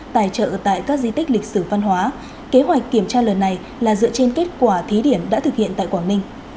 tài trợ tại các di tích lịch sử văn hóa kế hoạch kiểm tra lần này là dựa trên kết quả thí điểm đã thực hiện tại quảng ninh